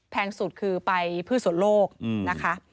แพงสุดคือไปพืชสวนโลกนะคะ